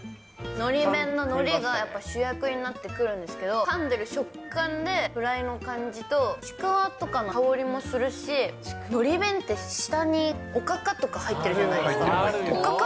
のり弁ののりがやっぱりやっぱ主役になってくるんですけど、かんでる食感で、フライの感じと、ちくわとかの香りもするし、のり弁って、下におかかとか入ってるじゃないですか。